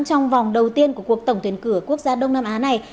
trong vòng đầu tiên của cuộc tổng tuyển cử ở quốc gia đông nam á này